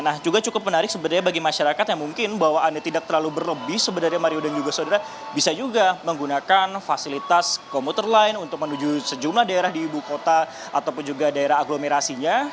nah juga cukup menarik sebenarnya bagi masyarakat yang mungkin bahwa anda tidak terlalu berlebih sebenarnya mario dan juga saudara bisa juga menggunakan fasilitas komuter lain untuk menuju sejumlah daerah di ibu kota ataupun juga daerah agglomerasinya